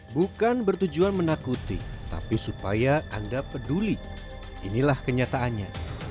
bukan bertujuan menakuti tapi supaya anda peduli inilah kenyataannya